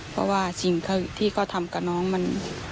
เพราะว่าสิ่งที่เขาทำกับน้องมัน